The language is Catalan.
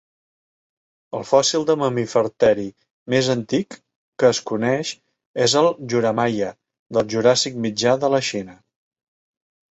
El fòssil de mamífer teri més antic que es coneix és el "Juramaia", del Juràssic Mitjà de la Xina.